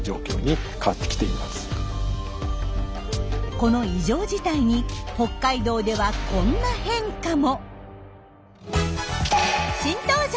この異常事態に北海道ではこんな変化も。